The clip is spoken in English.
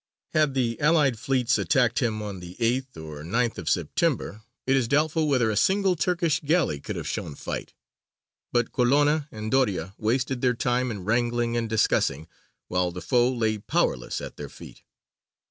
Had the allied fleets attacked him on the 8th or 9th of September it is doubtful whether a single Turkish galley could have shown fight. But Colonna and Doria wasted their time in wrangling and discussing, while the foe lay powerless at their feet.